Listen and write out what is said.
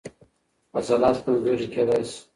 عضلات کمزوري کېدای شي.